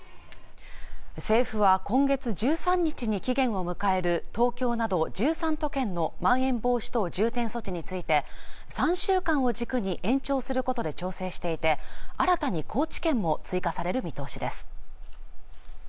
政府は今月１３日に期限を迎える東京など１３都県のまん延防止等重点措置について３週間を軸に延長することで調整していて新たに高知県も追加される見通しです